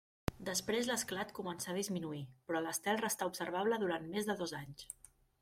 Després l'esclat començà a disminuir, però l'estel restà observable durant més de dos anys.